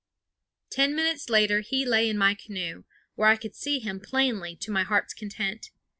Ten minutes later he lay in my canoe, where I could see him plainly to my heart's content.